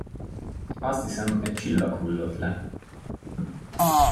Azt hiszem, egy csillag hullott le.